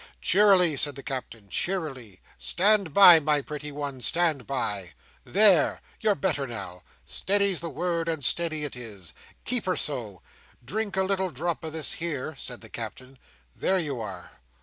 "Cheerily," said the Captain. "Cheerily! Stand by, my pretty one, stand by! There! You're better now. Steady's the word, and steady it is. Keep her so! Drink a little drop o' this here," said the Captain. "There you are!